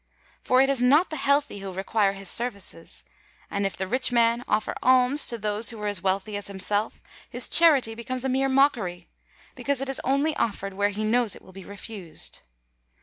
For it is not the healthy who require his services. And if the rich man offer alms to those who are as wealthy as himself, his charity becomes a mere mockery, because it is only offered where he knows it will be refused.